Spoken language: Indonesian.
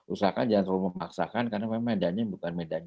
usahakan jangan terlalu memaksakan karena memang medannya bukan medannya